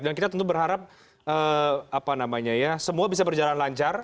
dan kita tentu berharap apa namanya ya semua bisa berjalan lancar